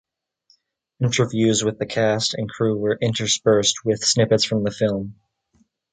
Interviews with the cast and crew are interspersed with snippets from the film.